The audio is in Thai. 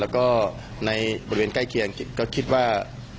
แล้วก็ในบริเวณใกล้เคียงก็คิดว่า